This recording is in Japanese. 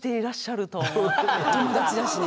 友達だしね。